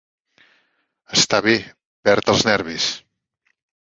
Està bé, perd els nervis.